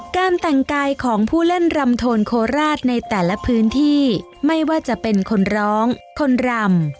การแต่งกายของผู้เล่นรำโทนโคราชในแต่ละพื้นที่ไม่ว่าจะเป็นคนร้องคนรำ